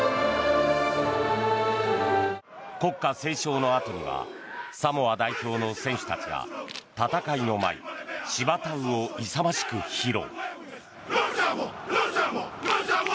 国歌斉唱のあとにはサモア代表の選手たちが戦いの舞シバタウを勇ましく披露。